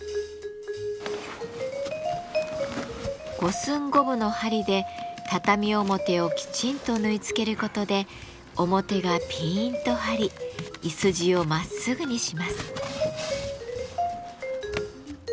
五寸五分の針で畳表をきちんと縫い付けることで表がピンと張りいすじをまっすぐにします。